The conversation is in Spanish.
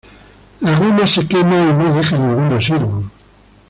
La goma se quema, y no deja ningún residuo.